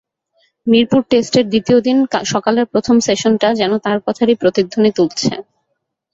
মিরপুর টেস্টের দ্বিতীয় দিন সকালের প্রথম সেশনটা যেন তাঁর কথারই প্রতিধ্বনি তুলছে।